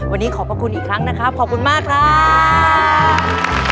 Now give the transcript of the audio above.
วันนี้ขอบพระคุณอีกครั้งนะครับขอบคุณมากครับ